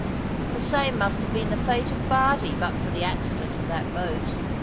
The same must have been the fate of Bardie but for the accident of that boat.